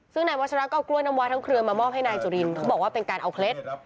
ซึ่งนายวัชราก็เอากล้วยน้ำวาทั้งเครือมามอบให้นายจุรินเขาบอกว่าเป็นการเอาเคล็ด